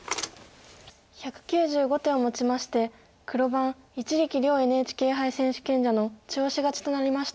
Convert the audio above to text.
１９５手をもちまして黒番一力遼ＮＨＫ杯選手権者の中押し勝ちとなりました。